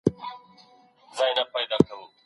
هغه د ارواپوهني په اړه نوی کتاب ولیکه.